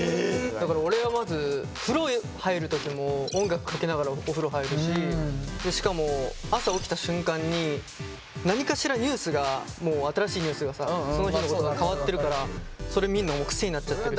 俺はまず風呂入る時も音楽かけながらお風呂入るししかも朝起きた瞬間に何かしらニュースがもう新しいニュースがさその日のことが変わってるからそれ見んのもう癖になっちゃってるし。